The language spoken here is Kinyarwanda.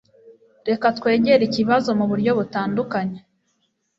Reka twegere ikibazo muburyo butandukanye.